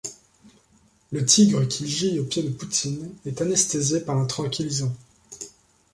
Le tigre qui gît aux pieds de Poutine est anesthésié par un tranquillisant.